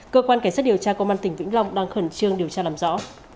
cơ quan cảnh sát điều tra công an tỉnh vĩnh long đang khẩn trương điều tra làm rõ